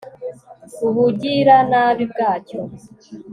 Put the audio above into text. ubugiranabi bwacyo